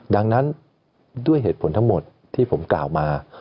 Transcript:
ดังนั้นด้วยเหตุผลทั้งหมดที่ผมกล่าวมา